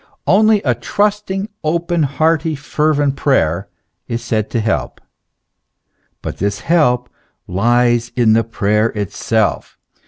Only a trusting, open, hearty, fervent prayer is said to help ; but this help lies in the prayer itself.